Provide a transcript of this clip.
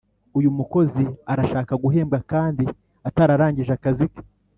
Uyumukozi arashaka guhembwa kandi atararangije akazike